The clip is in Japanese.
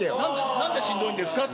なんでしんどいんですか？